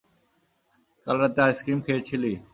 কাল রাতে আইসক্রিম খেয়েছিলি?